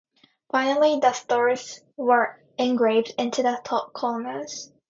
Finally the stars were engraved into the top corners.